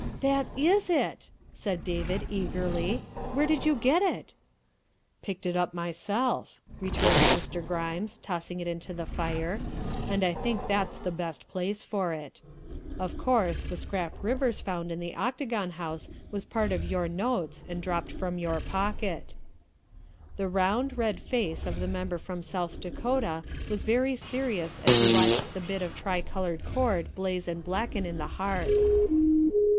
' That is it!" said David eagerly. " Where did you get it?" ' Picked it up myself," returned Mr. Grimes, tossing it into the fire, " and I think that's the best place for it. 346 THE WIFE OF Of course, the scrap Rivers found in the Octagon House was part of your notes and dropped from your pocket. '' The round, red face of the Member from South Dakota was very serious as he watched the bit of tri colored cord blaze and blacken in the hearth.